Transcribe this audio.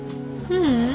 ううん。